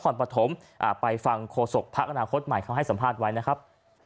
นครปฐมไปฟังโฆษกภักดิ์อนาคตใหม่เขาให้สัมภาษณ์ไว้นะครับ